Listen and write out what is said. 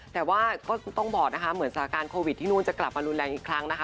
แต่ว่าก็ต้องบอกนะคะเหมือนสถานการณ์โควิดที่นู่นจะกลับมารุนแรงอีกครั้งนะคะ